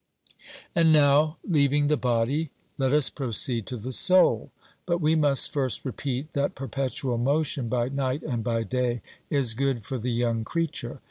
And now, leaving the body, let us proceed to the soul; but we must first repeat that perpetual motion by night and by day is good for the young creature.